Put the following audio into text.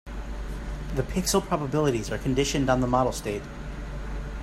The pixel probabilities are conditioned on the model state.